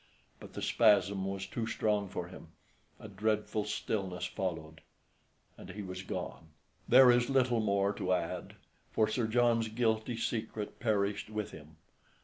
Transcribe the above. But the spasm was too strong for him; a dreadful stillness followed, and he was gone. There is little more to add; for Sir John's guilty secret, perished with him.